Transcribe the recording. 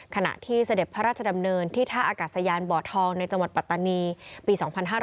ขณะที่เสด็จพระราชดำเนินที่ท่าอากาศยานบ่อทองในจังหวัดปัตตานีปี๒๕๕๙